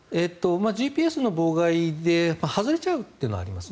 ＧＰＳの妨害で外れちゃうというのはあります。